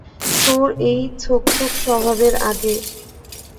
তোর এই ছোক ছোক স্বভাবের আগে?